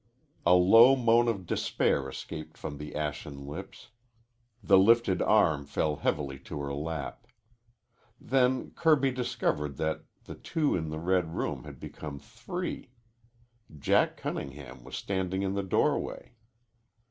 A low moan of despair escaped from the ashen lips. The lifted arm fell heavily to her lap. Then Kirby discovered that the two in the red room had become three. Jack Cunningham was standing in the doorway.